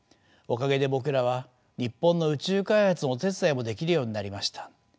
おかげで僕らは日本の宇宙開発のお手伝いもできるようになりました。